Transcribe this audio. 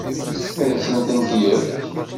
Ad asent-tent-yefk?